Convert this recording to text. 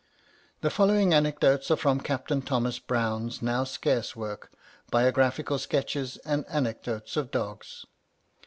The following anecdotes are from Capt. Thomas Brown's now scarce work, "Biographical Sketches and Anecdotes of Dogs."